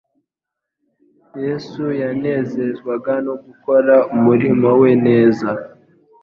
Yesu yanezezwaga no gukora umurimo we neza.